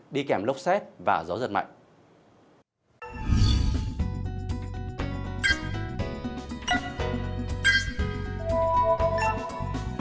đi kèm lốc xét và gió giật mạnh